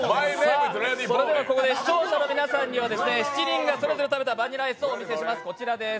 視聴者の皆さんには、７人がそれぞれ食べたバニラアイスをご紹介します。